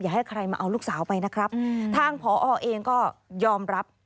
ให้ใครมาเอาลูกสาวไปนะครับทางผอเองก็ยอมรับ